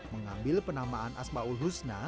mengambil penamaan asma'ul husna